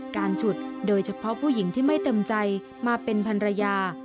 ฉุดโดยเฉพาะผู้หญิงที่ไม่เต็มใจมาเป็นพันรยา